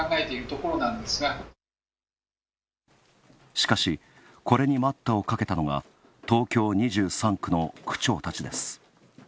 しかし、これに待ったをかけたのが東京２３区の区長たちです。